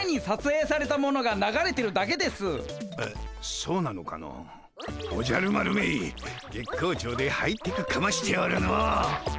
あそうなのかの。おじゃる丸め月光町でハイテクかましておるの。